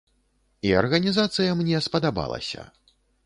І арганізацыя мне спадабалася.